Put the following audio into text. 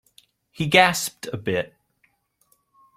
He gasped a bit.